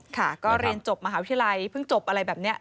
ค่ะก็เรียนจบมหาวิทยาลัยเพิ่งจบอะไรแบบนี้